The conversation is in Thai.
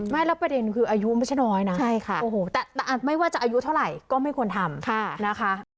ไม่แล้วประเด็นคืออายุไม่ใช่น้อยนะแต่ไม่ว่าจะอายุเท่าไหร่ก็ไม่ควรทำนะคะ